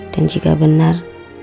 dan jika benar